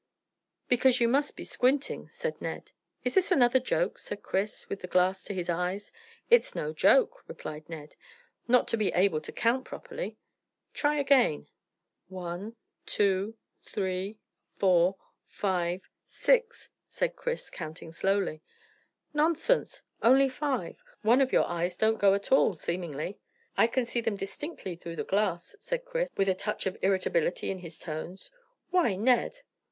"Because you must be squinting," said Ned. "Is this another joke?" said Chris, with the glass to his eyes. "It's no joke," replied Ned, "not to be able to count properly. Try again." "One two three four five six," said Chris, counting slowly. "Nonsense! Only five. One of your eyes don't go at all, seemingly." "I can see them distinctly through the glass," cried Chris, with a touch of irritability in his tones. "Why, Ned!"